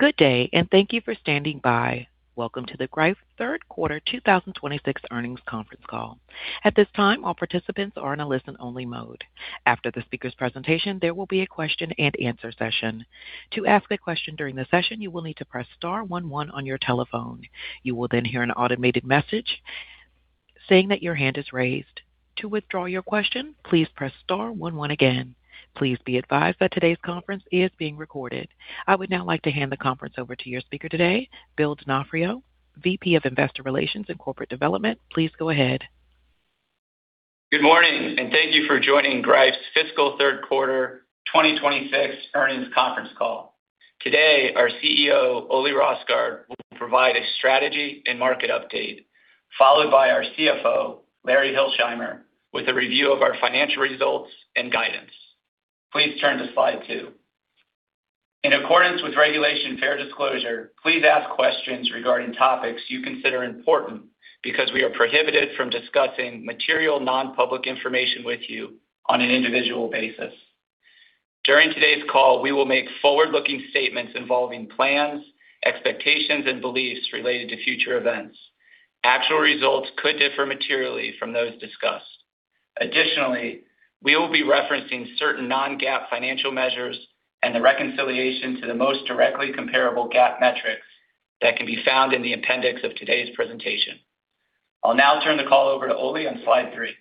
Good day. Thank you for standing by. Welcome to the Greif third quarter 2026 earnings conference call. At this time, all participants are in a listen-only mode. After the speaker's presentation, there will be a question-and-answer session. To ask a question during the session, you will need to press star one one on your telephone. You will then hear an automated message saying that your hand is raised. To withdraw your question, please press star one one again. Please be advised that today's conference is being recorded. I would now like to hand the conference over to your speaker today, Bill D'Onofrio, VP of Investor Relations and Corporate Development. Please go ahead. Good morning. Thank you for joining Greif's fiscal third quarter 2026 earnings conference call. Today, our CEO, Ole Rosgaard, will provide a strategy and market update, followed by our CFO, Larry Hilsheimer, with a review of our financial results and guidance. Please turn to slide two. In accordance with Regulation Fair Disclosure, please ask questions regarding topics you consider important because we are prohibited from discussing material non-public information with you on an individual basis. During today's call, we will make forward-looking statements involving plans, expectations, and beliefs related to future events. Actual results could differ materially from those discussed. Additionally, we will be referencing certain non-GAAP financial measures and the reconciliation to the most directly comparable GAAP metrics that can be found in the appendix of today's presentation. I'll now turn the call over to Ole on slide three.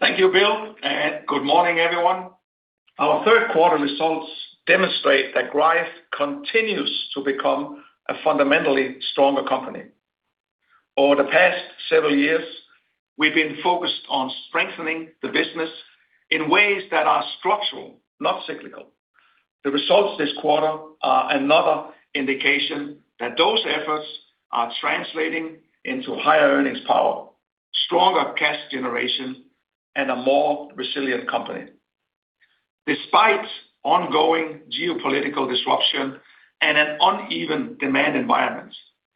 Thank you, Bill. Good morning, everyone. Our third quarter results demonstrate that Greif continues to become a fundamentally stronger company. Over the past several years, we've been focused on strengthening the business in ways that are structural, not cyclical. The results this quarter are another indication that those efforts are translating into higher earnings power, stronger cash generation, and a more resilient company. Despite ongoing geopolitical disruption and an uneven demand environment,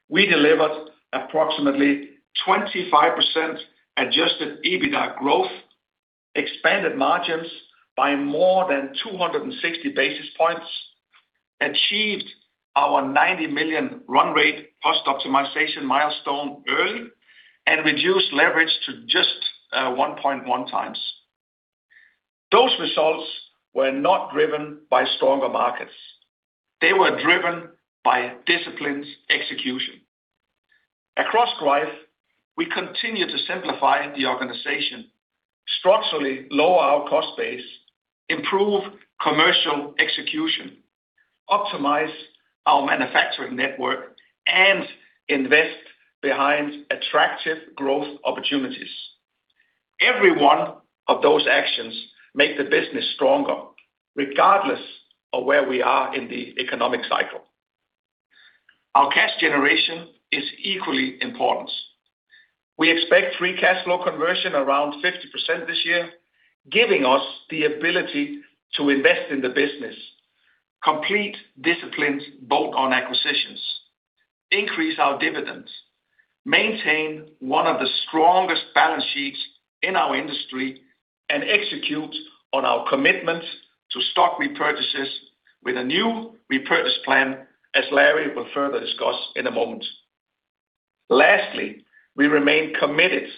we delivered approximately 25% adjusted EBITDA growth, expanded margins by more than 260 basis points, achieved our 90 million run rate cost optimization milestone early, and reduced leverage to just 1.1X. Those results were not driven by stronger markets. They were driven by disciplined execution. Across Greif, we continue to simplify the organization, structurally lower our cost base, improve commercial execution, optimize our manufacturing network, and invest behind attractive growth opportunities. Every one of those actions make the business stronger, regardless of where we are in the economic cycle. Our cash generation is equally important. We expect free cash flow conversion around 50% this year, giving us the ability to invest in the business, complete disciplined bolt-on acquisitions, increase our dividends, maintain one of the strongest balance sheets in our industry, and execute on our commitment to stock repurchases with a new repurchase plan, as Larry will further discuss in a moment. Lastly, we remain committed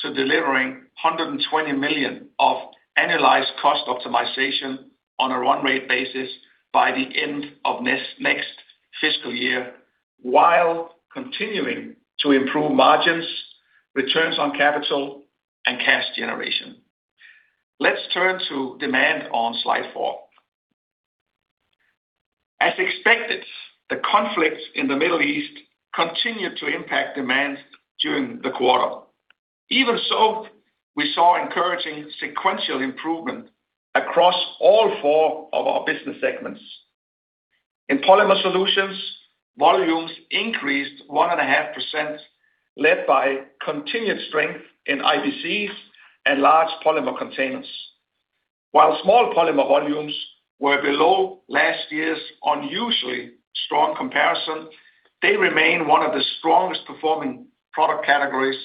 to delivering 120 million of annualized cost optimization on a run rate basis by the end of next fiscal year while continuing to improve margins, returns on capital, and cash generation. Let's turn to demand on slide four. As expected, the conflict in the Middle East continued to impact demand during the quarter. Even so, we saw encouraging sequential improvement across all four of our business segments. In Polymer Solutions, volumes increased 1.5%, led by continued strength in IBCs and large polymer containers. While small polymer volumes were below last year's unusually strong comparison, they remain one of the strongest-performing product categories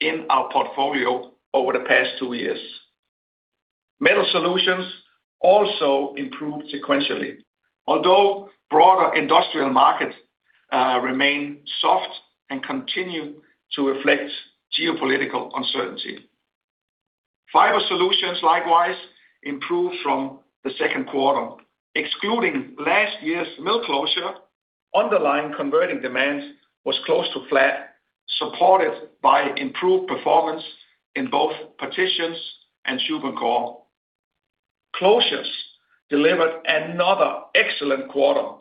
in our portfolio over the past two years. Metal Solutions also improved sequentially. Broader industrial markets remain soft and continue to reflect geopolitical uncertainty. Fiber Solutions likewise improved from the second quarter. Excluding last year's mill closure, underlying converting demand was close to flat, supported by improved performance in both partitions and SuperCore. Closures delivered another excellent quarter.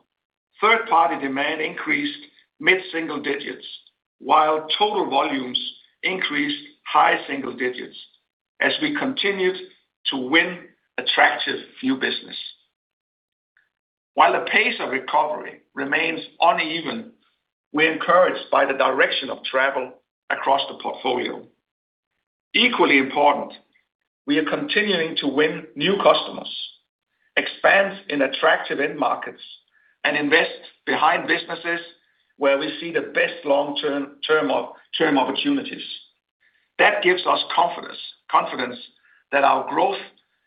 Third-party demand increased mid-single digits while total volumes increased high single digits as we continued to win attractive new business. The pace of recovery remains uneven, we're encouraged by the direction of travel across the portfolio. Equally important, we are continuing to win new customers, expand in attractive end markets, and invest behind businesses where we see the best long-term opportunities That gives us confidence that our growth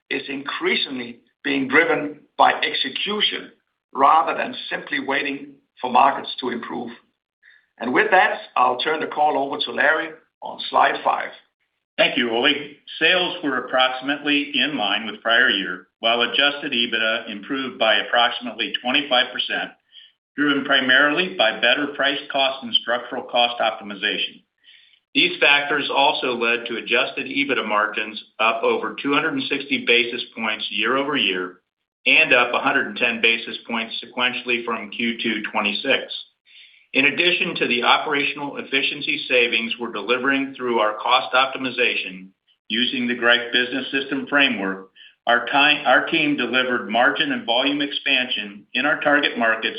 is increasingly being driven by execution rather than simply waiting for markets to improve. With that, I'll turn the call over to Larry on slide five. Thank you, Ole. Sales were approximately in line with prior year, while adjusted EBITDA improved by approximately 25%, driven primarily by better price cost and structural cost optimization. These factors also led to adjusted EBITDA margins up over 260 basis points year-over-year and up 110 basis points sequentially from Q2 2026. In addition to the operational efficiency savings we're delivering through our cost optimization using the Greif Business System framework, our team delivered margin and volume expansion in our target markets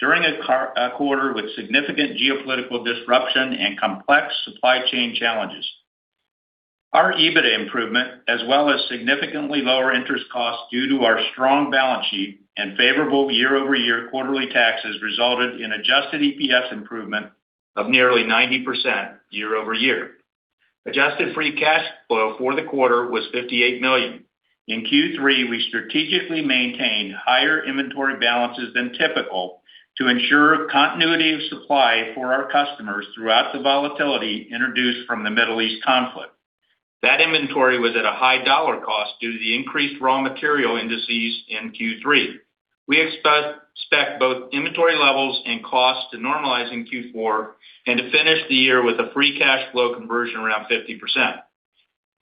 during a quarter with significant geopolitical disruption and complex supply chain challenges. Our EBITDA improvement, as well as significantly lower interest costs due to our strong balance sheet and favorable year-over-year quarterly taxes, resulted in adjusted EPS improvement of nearly 90% year-over-year. Adjusted free cash flow for the quarter was $58 million. In Q3, we strategically maintained higher inventory balances than typical to ensure continuity of supply for our customers throughout the volatility introduced from the Middle East conflict. That inventory was at a high dollar cost due to the increased raw material indices in Q3. We expect both inventory levels and cost to normalize in Q4 and to finish the year with a free cash flow conversion around 50%.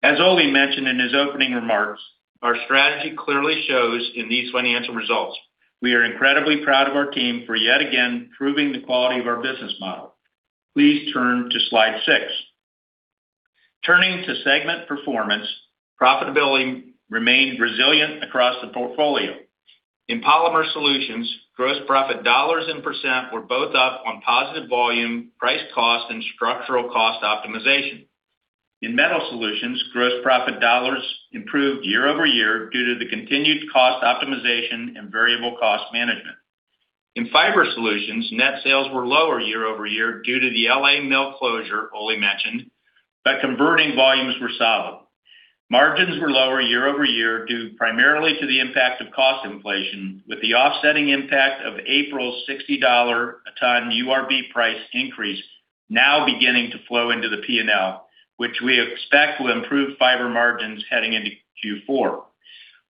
As Ole mentioned in his opening remarks, our strategy clearly shows in these financial results. We are incredibly proud of our team for yet again proving the quality of our business model. Please turn to slide six. Turning to segment performance, profitability remained resilient across the portfolio. In Polymer Solutions, gross profit dollars and % were both up on positive volume, price cost, and structural cost optimization. In Metal Solutions, gross profit dollars improved year-over-year due to the continued cost optimization and variable cost management. In Fiber Solutions, net sales were lower year-over-year due to the L.A. mill closure Ole mentioned, but converting volumes were solid. Margins were lower year-over-year due primarily to the impact of cost inflation, with the offsetting impact of April's $60 a ton URB price increase now beginning to flow into the P&L, which we expect will improve fiber margins heading into Q4.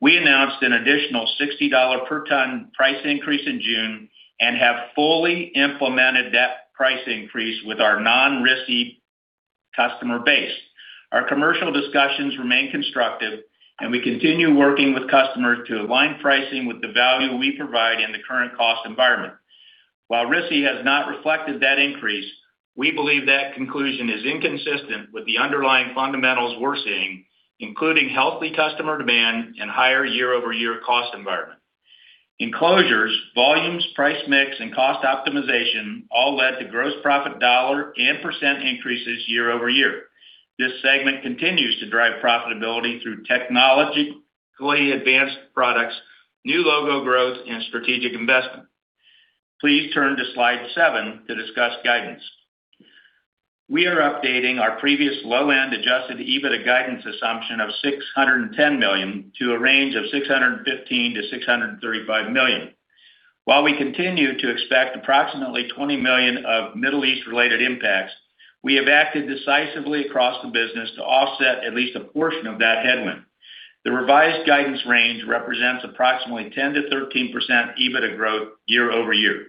We announced an additional $60 per ton price increase in June and have fully implemented that price increase with our non-RISI customer base. We continue working with customers to align pricing with the value we provide in the current cost environment. While RISI has not reflected that increase, we believe that conclusion is inconsistent with the underlying fundamentals we're seeing, including healthy customer demand and higher year-over-year cost environment. Closures, volumes, price mix, and cost optimization all led to gross profit dollar and percent increases year-over-year. This segment continues to drive profitability through technologically advanced products, new logo growth, and strategic investment. Please turn to slide seven to discuss guidance. We are updating our previous low-end adjusted EBITDA guidance assumption of $610 million to a range of $615 million-$635 million. While we continue to expect approximately $20 million of Middle East-related impacts, we have acted decisively across the business to offset at least a portion of that headwind. The revised guidance range represents approximately 10%-13% EBITDA growth year-over-year.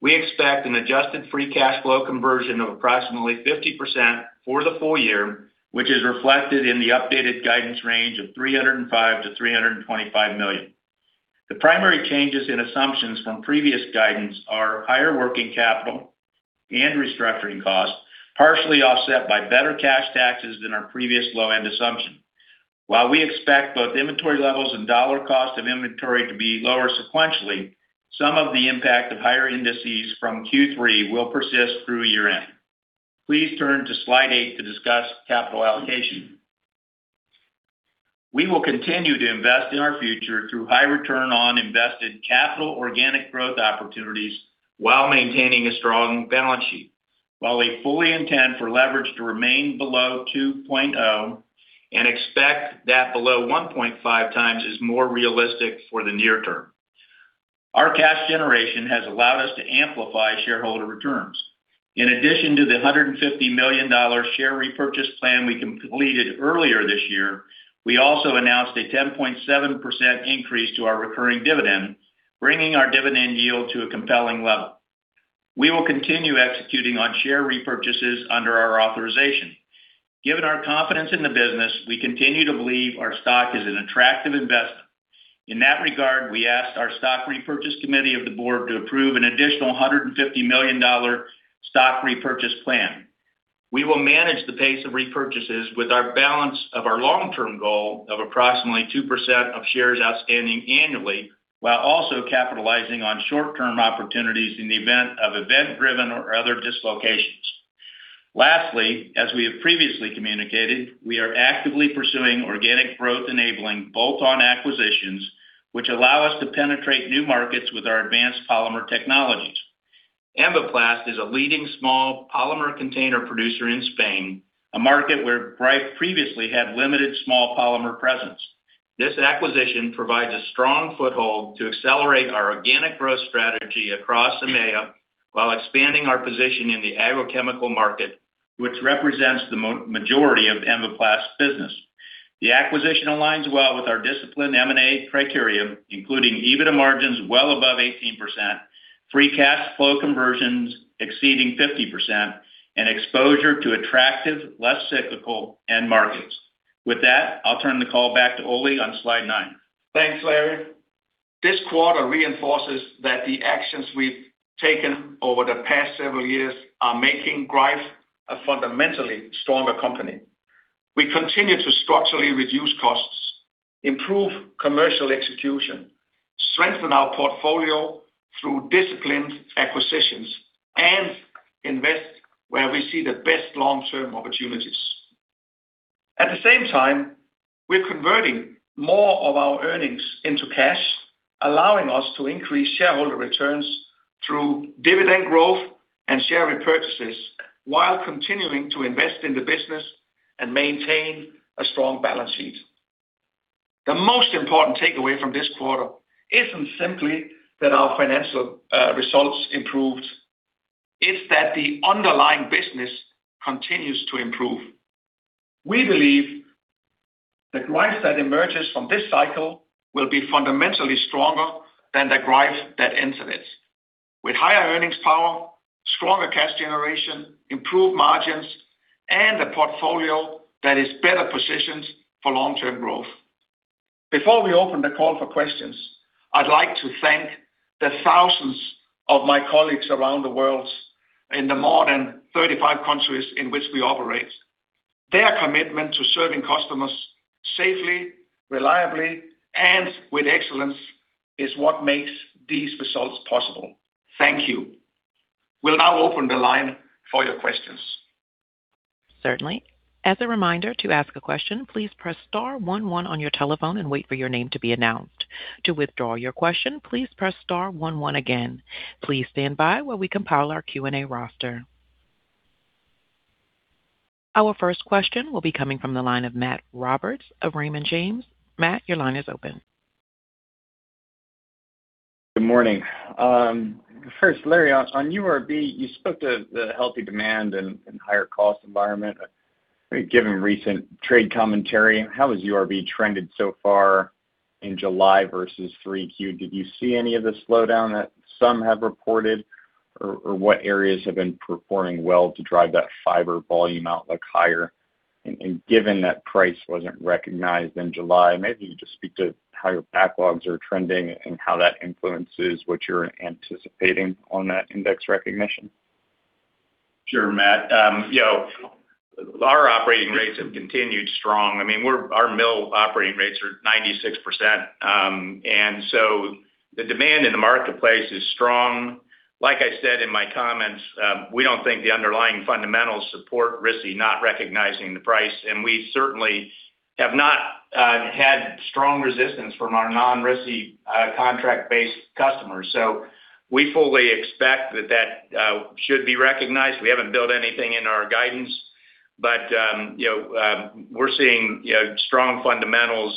We expect an adjusted free cash flow conversion of approximately 50% for the full year, which is reflected in the updated guidance range of $305 million-$325 million. The primary changes in assumptions from previous guidance are higher working capital and restructuring costs, partially offset by better cash taxes than our previous low-end assumption. While we expect both inventory levels and dollar cost of inventory to be lower sequentially, some of the impact of higher indices from Q3 will persist through year-end. Please turn to slide eight to discuss capital allocation. We will continue to invest in our future through high return on invested capital organic growth opportunities while maintaining a strong balance sheet. While we fully intend for leverage to remain below 2.0 and expect that below 1.5X is more realistic for the near term. Our cash generation has allowed us to amplify shareholder returns. In addition to the $150 million share repurchase plan we completed earlier this year, we also announced a 10.7% increase to our recurring dividend, bringing our dividend yield to a compelling level. We will continue executing on share repurchases under our authorization. Given our confidence in the business, we continue to believe our stock is an attractive investment. In that regard, we asked our stock repurchase committee of the board to approve an additional $150 million stock repurchase plan. We will manage the pace of repurchases with our balance of our long-term goal of approximately 2% of shares outstanding annually, while also capitalizing on short-term opportunities in the event of event-driven or other dislocations. As we have previously communicated, we are actively pursuing organic growth-enabling bolt-on acquisitions, which allow us to penetrate new markets with our advanced polymer technologies. Envaplast is a leading small polymer container producer in Spain, a market where Greif previously had limited small polymer presence. This acquisition provides a strong foothold to accelerate our organic growth strategy across EMEA while expanding our position in the agrochemical market, which represents the majority of Envaplast business. The acquisition aligns well with our disciplined M&A criteria, including EBITDA margins well above 18%, free cash flow conversions exceeding 50%, and exposure to attractive, less cyclical end markets. With that, I'll turn the call back to Ole on slide nine. Thanks, Larry. This quarter reinforces that the actions we've taken over the past several years are making Greif a fundamentally stronger company. We continue to structurally reduce costs, improve commercial execution, strengthen our portfolio through disciplined acquisitions, and invest where we see the best long-term opportunities. At the same time, we're converting more of our earnings into cash, allowing us to increase shareholder returns through dividend growth and share repurchases while continuing to invest in the business and maintain a strong balance sheet. The most important takeaway from this quarter isn't simply that our financial results improved. It's that the underlying business continues to improve. We believe the Greif that emerges from this cycle will be fundamentally stronger than the Greif that enters it. With higher earnings power, stronger cash generation, improved margins, and a portfolio that is better positioned for long-term growth. Before we open the call for questions, I'd like to thank the thousands of my colleagues around the world in the more than 35 countries in which we operate. Their commitment to serving customers safely, reliably, and with excellence is what makes these results possible. Thank you. We'll now open the line for your questions. Certainly. As a reminder, to ask a question, please press star one one on your telephone and wait for your name to be announced. To withdraw your question, please press star one one again. Please stand by while we compile our Q&A roster. Our first question will be coming from the line of Matt Roberts of Raymond James. Matt, your line is open. Good morning. First, Larry, on URB, you spoke to the healthy demand and higher cost environment. Given recent trade commentary, how has URB trended so far in July versus 3Q? Did you see any of the slowdown that some have reported? What areas have been performing well to drive that fiber volume outlook higher? Given that price wasn't recognized in July, maybe you just speak to how your backlogs are trending and how that influences what you're anticipating on that index recognition. Sure, Matt. Our operating rates have continued strong. Our mill operating rates are 96%. So the demand in the marketplace is strong. Like I said in my comments, we don't think the underlying fundamentals support RISI not recognizing the price. We certainly have not had strong resistance from our non-RISI contract-based customers. We fully expect that that should be recognized. We haven't built anything in our guidance. We're seeing strong fundamentals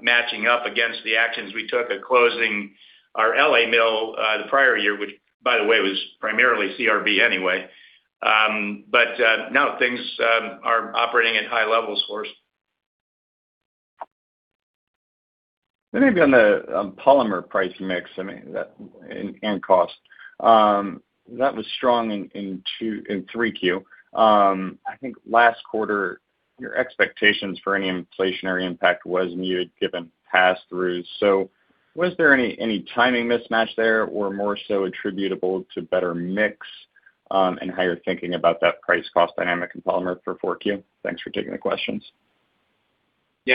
matching up against the actions we took at closing our L.A. mill the prior year, which by the way, was primarily CRB anyway. No, things are operating at high levels for us. Maybe on the polymer price mix and cost. That was strong in 3Q. I think last quarter, your expectations for any inflationary impact was muted given passthroughs. Was there any timing mismatch there or more so attributable to better mix and how you're thinking about that price cost dynamic in polymer for 4Q? Thanks for taking the questions. We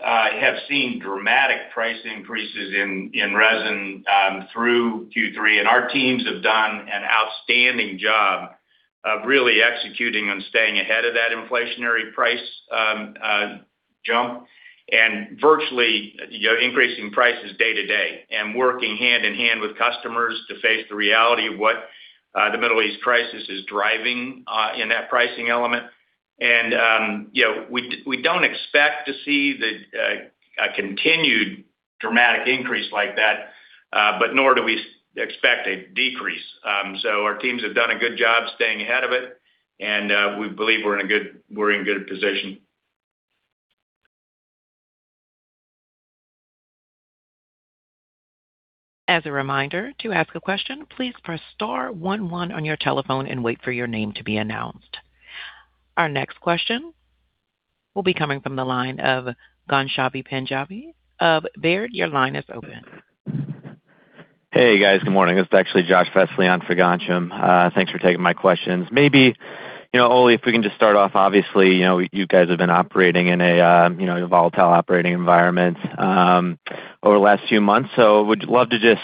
have seen dramatic price increases in resin through Q3. Our teams have done an outstanding job of really executing and staying ahead of that inflationary price jump and virtually increasing prices day to day and working hand in hand with customers to face the reality of what the Middle East crisis is driving in that pricing element. We don't expect to see a continued dramatic increase like that. Nor do we expect a decrease. Our teams have done a good job staying ahead of it. We believe we're in a good position. As a reminder, to ask a question, please press star one one on your telephone and wait for your name to be announced. Our next question will be coming from the line of Ghansham Panjabi of Baird. Your line is open. Hey, guys. Good morning. It's actually Josh Fessler on for Ghansham. Thanks for taking my questions. Maybe, Ole, if we can just start off, obviously, you guys have been operating in a volatile operating environment over the last few months. Would love to just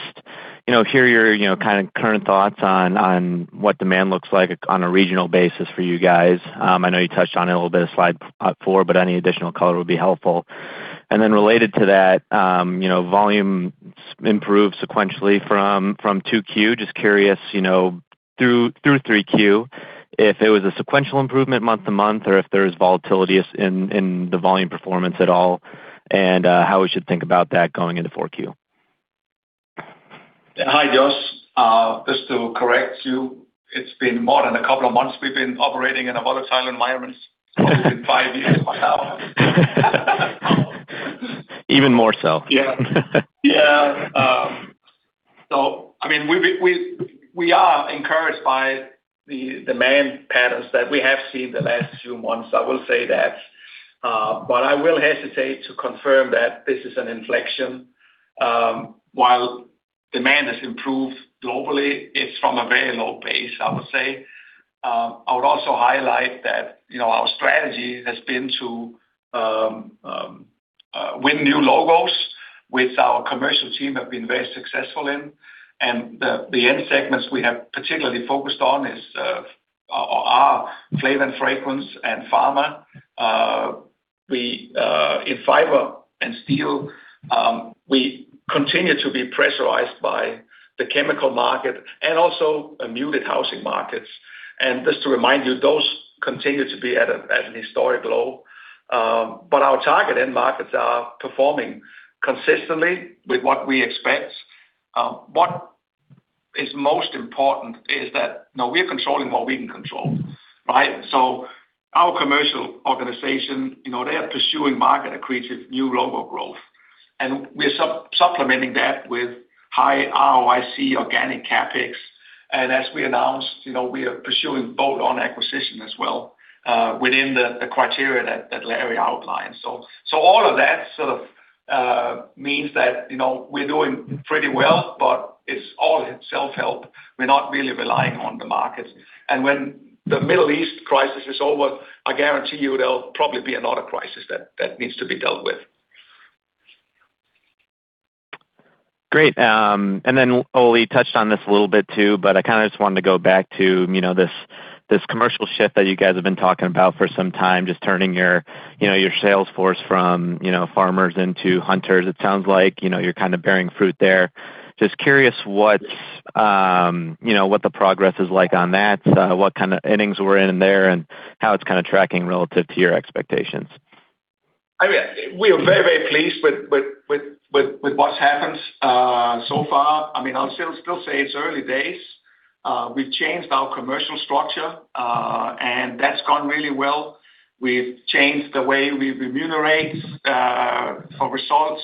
hear your kind of current thoughts on what demand looks like on a regional basis for you guys. I know you touched on it a little bit in slide four, but any additional color would be helpful. Related to that, volume improved sequentially from 2Q. Just curious, through 3Q, if it was a sequential improvement month-to-month, or if there was volatility in the volume performance at all, and how we should think about that going into 4Q. Yeah. Hi, Josh. Just to correct you, it's been more than a couple of months we've been operating in a volatile environment. It's almost been five years by now. Even more so. Yeah. Yeah. We are encouraged by the demand patterns that we have seen the last few months, I will say that. I will hesitate to confirm that this is an inflection. While demand has improved globally, it is from a very low base, I would say. I would also highlight that our strategy has been to win new logos, which our commercial team have been very successful in, and the end segments we have particularly focused on are flavor and fragrance, and pharma. In fiber and steel, we continue to be pressurized by the chemical market and also muted housing markets. Just to remind you, those continue to be at an historic low. But our target end markets are performing consistently with what we expect. What is most important is that now we are controlling what we can control, right? Our commercial organization, they are pursuing market accretive new logo growth, and we are supplementing that with high ROIC organic CapEx. As we announced, we are pursuing bolt-on acquisition as well within the criteria that Larry outlined. All of that sort of means that we are doing pretty well, but it is all self-help. We are not really relying on the markets. When the Middle East crisis is over, I guarantee you there will probably be another crisis that needs to be dealt with. Great. Ole touched on this a little bit too, but I kind of just wanted to go back to this commercial shift that you guys have been talking about for some time, just turning your sales force from farmers into hunters. It sounds like you are kind of bearing fruit there. Just curious what the progress is like on that, what kind of innings we are in there, and how it is kind of tracking relative to your expectations. We are very, very pleased with what has happened so far. I will still say it is early days. We have changed our commercial structure, and that has gone really well. We have changed the way we remunerate for results.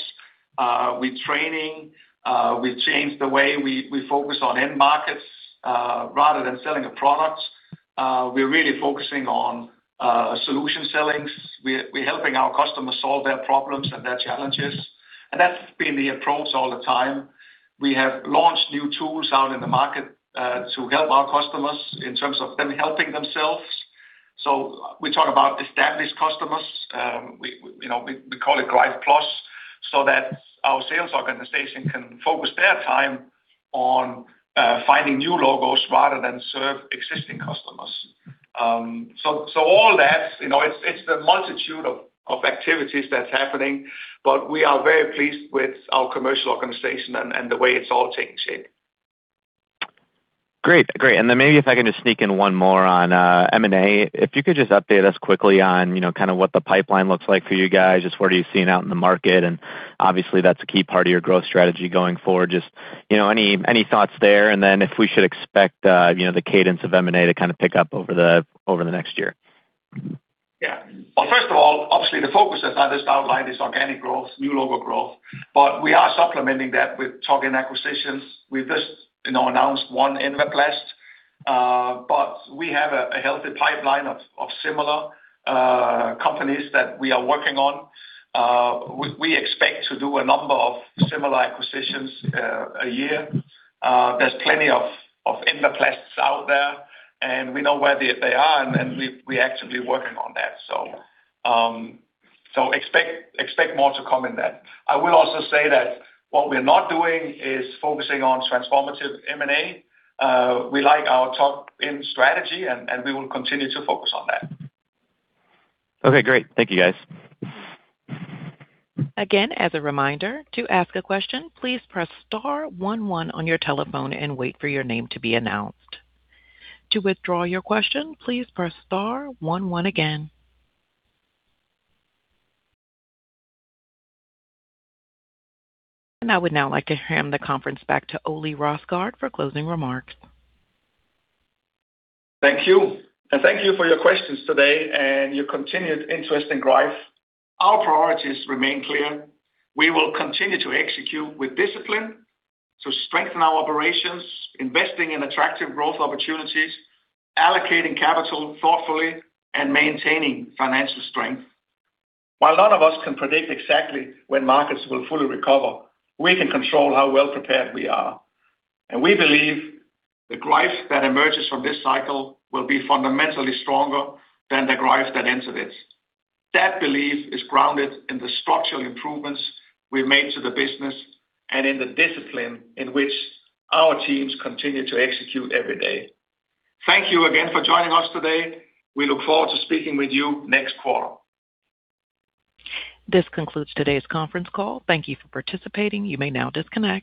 We are training. We have changed the way we focus on end markets. Rather than selling a product, we are really focusing on solution sellings. We are helping our customers solve their problems and their challenges, and that has been the approach all the time. We have launched new tools out in the market to help our customers in terms of them helping themselves. We talk about established customers. We call it Greif+, so that our sales organization can focus their time on finding new logos rather than serve existing customers. All that, it is the multitude of activities that is happening, but we are very pleased with our commercial organization and the way it is all taking shape. Great. Maybe if I can just sneak in one more on M&A. If you could just update us quickly on kind of what the pipeline looks like for you guys. What are you seeing out in the market, and obviously, that's a key part of your growth strategy going forward. Any thoughts there, and then if we should expect the cadence of M&A to kind of pick up over the next year. First of all, obviously the focus, as I just outlined, is organic growth, new logo growth, but we are supplementing that with target acquisitions. We've just announced one, Envaplast. We have a healthy pipeline of similar companies that we are working on. We expect to do a number of similar acquisitions a year. There's plenty of Envaplasts out there, and we know where they are, and we're actively working on that. Expect more to come in that. I will also say that what we're not doing is focusing on transformative M&A. We like our top-end strategy, and we will continue to focus on that. Great. Thank you, guys. Again, as a reminder, to ask a question, please press star one one on your telephone and wait for your name to be announced. To withdraw your question, please press star one one again. I would now like to hand the conference back to Ole Rosgaard for closing remarks. Thank you. Thank you for your questions today and your continued interest in Greif. Our priorities remain clear. We will continue to execute with discipline to strengthen our operations, investing in attractive growth opportunities, allocating capital thoughtfully, and maintaining financial strength. While none of us can predict exactly when markets will fully recover, we can control how well prepared we are, and we believe the Greif that emerges from this cycle will be fundamentally stronger than the Greif that entered it. That belief is grounded in the structural improvements we've made to the business and in the discipline in which our teams continue to execute every day. Thank you again for joining us today. We look forward to speaking with you next quarter. This concludes today's conference call. Thank you for participating. You may now disconnect.